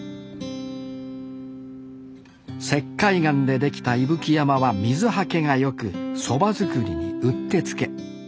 石灰岩で出来た伊吹山は水はけが良くそば作りにうってつけ。